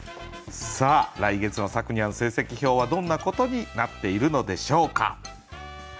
さあ来月のさくにゃん成績表はどんなことになっているのでしょうか。